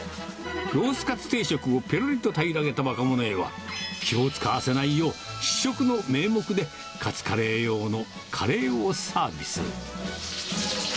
ロースカツ定食をぺろりと平らげた若者へは、気を使わせないよう、試食の名目で、カツカレー用のカレーをサービス。